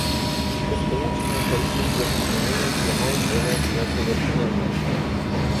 Бесконечное количество изменений прямой делает её совершенной.